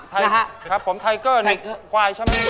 ติ๊กเกอร์คอยใช่ไม๊